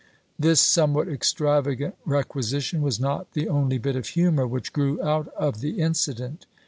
This p ^e*." somewhat extravagant requisition was not the only bit of humor which grew out of the incident.